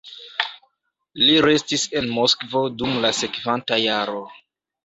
Li restis en Moskvo dum la sekvanta jaro.